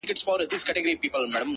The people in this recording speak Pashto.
حُسنه دا عجيبه شانې کور دی لمبې کوي’